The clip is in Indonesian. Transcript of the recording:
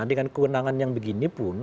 dengan kewenangan yang begini pun